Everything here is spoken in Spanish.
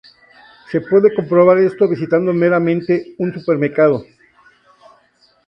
Se puede comprobar esto visitando meramente un supermercado.